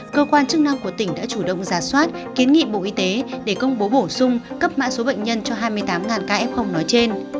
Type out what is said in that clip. cơ quan chức năng của tỉnh đã chủ động giả soát kiến nghị bộ y tế để công bố bổ sung cấp mã số bệnh nhân cho hai mươi tám ca f nói trên